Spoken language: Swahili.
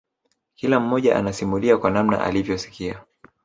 Kila mmoja anasimulia kwa namna alivyosikia